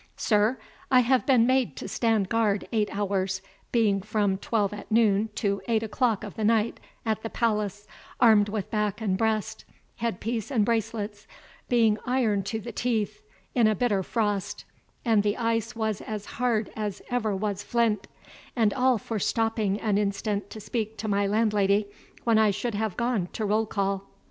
Sir, I have been made to stand guard eight hours, being from twelve at noon to eight o'clock of the night, at the palace, armed with back and breast, head piece and bracelets, being iron to the teeth, in a bitter frost, and the ice was as hard as ever was flint; and all for stopping an instant to speak to my landlady, when I should have gone to roll call."